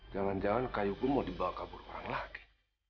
jangan jangan kayu gue mau dibawa kabur orang lagi